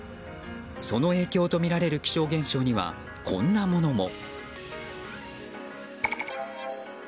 その影響とみられる気象現象にはこんなものも。